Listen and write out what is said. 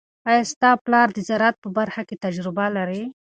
آیا ستا پلار د زراعت په برخه کې تجربه لري؟